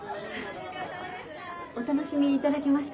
お楽しみいただけました？